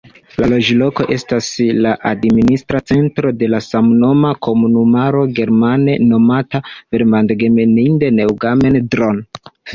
La loĝloko estas la administra centro de samnoma komunumaro, germane nomata "Verbandsgemeinde Neumagen-Dhron".